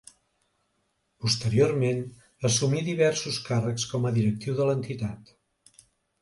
Posteriorment assumí diversos càrrecs com a directiu de l’entitat.